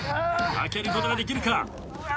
開けることができるか？